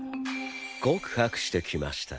告白してきました！